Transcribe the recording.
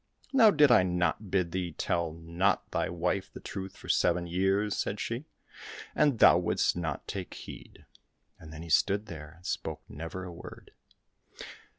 " Now, did I not bid thee tell not thy wife the truth for seven years ?" said she, " and thou wouldst not take heed." And he stood there, and spoke never a word.